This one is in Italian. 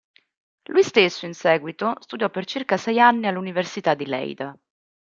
Lui stesso in seguito studiò per circa sei anni all'università di Leida.